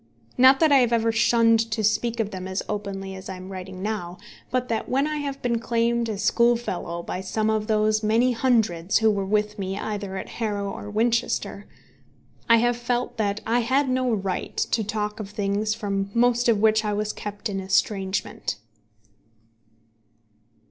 Not that I have ever shunned to speak of them as openly as I am writing now, but that when I have been claimed as schoolfellow by some of those many hundreds who were with me either at Harrow or at Winchester, I have felt that I had no right to talk of things from most of which I was kept in estrangement.